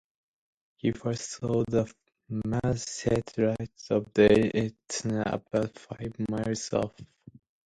He first saw the masthead light of the Etna about five miles off.